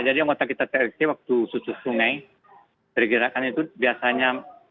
jadi waktu kita tlc waktu susu sungai terkirakan itu biasanya